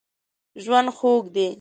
ژوند خوږ دی.